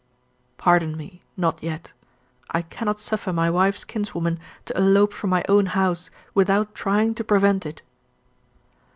"Pardon me not yet. I cannot suffer my wife's kinswoman to elope from my own house, without trying to prevent it."